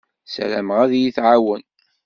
Ssarameɣ ad iyi-tɛawen.